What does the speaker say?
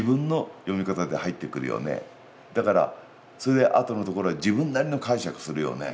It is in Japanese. だからそれであとのところは自分なりの解釈するよね。